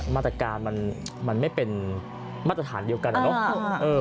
มาตรการมันไม่เป็นมาตรฐานเดียวกันนะเนาะ